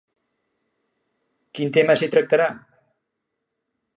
Quin tema s'hi tractarà?